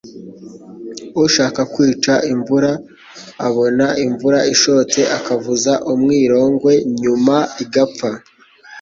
Ushaka kwica imvuira, abona imvura ishotse akavuza umwirongwe nyuma igapfa